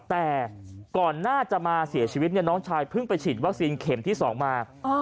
แต่ก่อนหน้าจะมาเสียชีวิตน้องชายเพิ่งไปฉีดวัคซีนเข็มที่๒มา